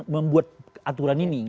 membuat aturan ini